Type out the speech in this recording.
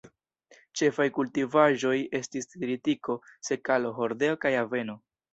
Ĉefaj kultivaĵoj estis tritiko, sekalo, hordeo kaj aveno.